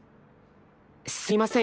すみません。